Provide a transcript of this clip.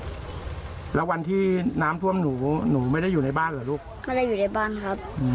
แล้ววันที่น้ำท่วมหนูหนูไม่ได้อยู่ในบ้านเหรอลูกไม่ได้อยู่ในบ้านครับ